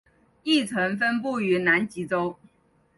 亦曾分布于南极洲。